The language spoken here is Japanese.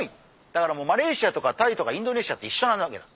だからもうマレーシアとかタイとかインドネシアといっしょなわけだ。